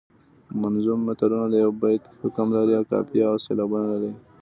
منظوم متلونه د یوه بیت حکم لري او قافیه او سیلابونه لري